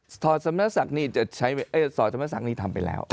สธาตุสำราษักริร์สมราศักดิ์นี่ทำไปแล้ว